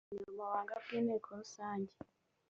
ubunyamabanga bw inteko rusange